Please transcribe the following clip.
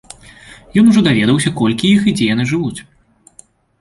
Ён ужо даведаўся, колькі іх і дзе яны жывуць.